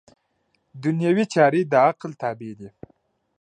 دنیوي چارې د عقل تابع دي.